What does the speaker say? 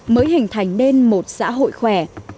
mới hình thành nên một xã hội khỏe